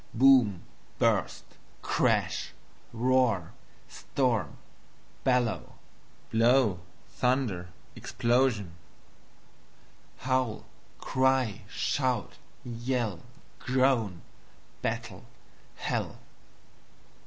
Boom, burst, crash, roar, storm, bellow, blow, thunder, explosion; howl, cry, shout, yell, groan; battle, hell.